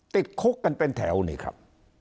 ติดคุกกันเป็นแถวนี่ครับ